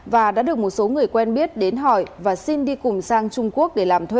và đã được một số người quen biết đến hỏi và xin đi cùng sang trung quốc